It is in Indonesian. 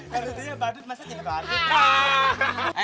harusnya badut masa jadi badut